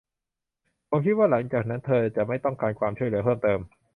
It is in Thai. ผมคิดว่าหลังจากนั้นเธอจะไม่ต้องการความช่วยเหลือเพิ่มเติม